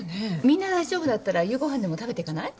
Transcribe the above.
みんな大丈夫だったら夕ご飯でも食べてかない？